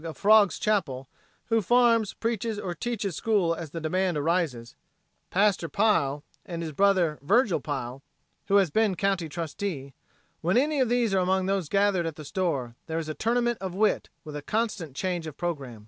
Frogge, of Frogge's Chapel, who farms, preaches or teaches school as the demand arises; "Paster" Pile and his brother, Virgil Pile, who has been County Trustee; when any of these are among those gathered at the store, there is a tournament of wit, with a constant change of program.